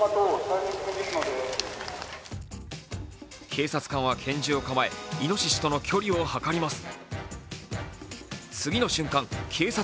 警察官は拳銃を構え、いのししとの距離をはかります。